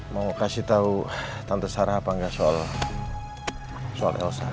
mau kasih tau tante sarah apa gak soal elsa